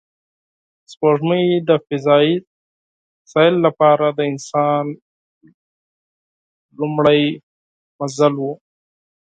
سپوږمۍ د فضایي سیر لپاره د انسان لومړی منزل و